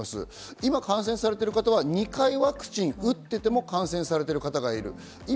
今、感染されている方は２回ワクチン打ってても感染されてる方がいる。